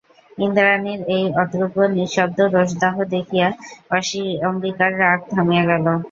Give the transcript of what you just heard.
ইন্দ্রাণীর এই অত্যুগ্র নিঃশব্দ রোষদাহ দেখিয়া অম্বিকার রাগ থামিয়া গেল।